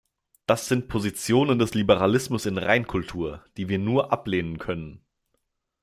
Das sind Positionen des Liberalismus in Reinkultur, die wir nur ablehnen können.